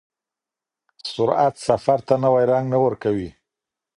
سرعت سفر ته نوی رنګ نه ورکوي.